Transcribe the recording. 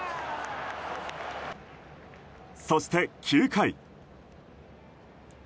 そして９回。